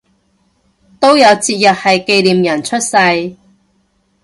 都有節日係紀念人出世